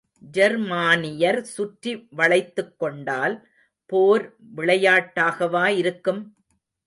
ஜெர்மானியர் சுற்றி வளைத்துக்கொண்டால் போர் விளையாட்டாகவா இருக்கும்?